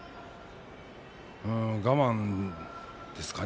我慢ですね。